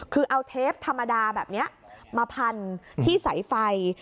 คือเอาเทปธรรมดาแบบนี้มาพันที่สายไฟ